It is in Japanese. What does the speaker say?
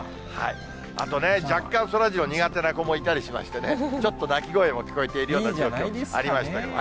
あとね、若干、そらジロー、苦手な子もいたりしましてね、ちょっと泣き声も聞こえているような状況がありましたけれども。